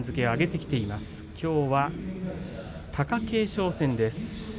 きょうは貴景勝戦です。